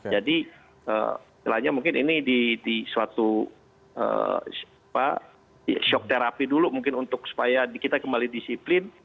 jadi mungkin ini di suatu shock therapy dulu mungkin untuk supaya kita kembali disiplin